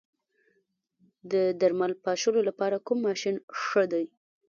د درمل پاشلو لپاره کوم ماشین ښه دی؟